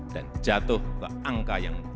dan jatuh ke angka yang paling rendah